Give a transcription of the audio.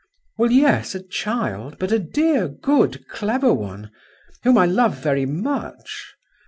"Well, yes, a child, but a dear, good clever one, whom I love very much.